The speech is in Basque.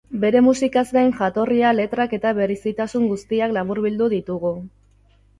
Bere musikaz gain, jatorria, letrak eta berezitasun guztiak laburbildu ditugu.